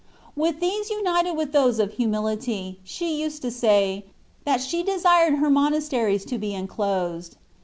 ^^ With these united with those of humility, she used to say, " that she desired her monasteries to be enclosed.'